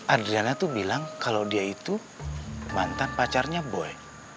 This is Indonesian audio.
adriana itu bilang kalau dia itu mantan pacarnya boy